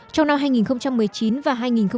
trong năm hai nghìn một mươi chín và hai nghìn hai mươi